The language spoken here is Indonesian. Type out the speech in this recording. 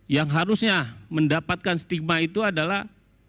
yang harusnya mendapatkan stigma itu adalah